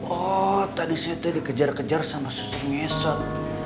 oh tadi saya tuh dikejar kejar sama suster ngesot